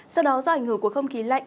sau đó do ảnh hưởng của không khí lạnh